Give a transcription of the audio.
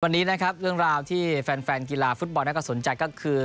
วันนี้นะครับเรื่องราวที่แฟนกีฬาฟุตบอลน่าสนใจก็คือ